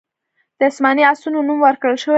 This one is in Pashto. د اسماني آسونو نوم ورکړل شوی و